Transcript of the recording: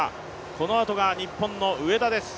このあとが日本の上田です。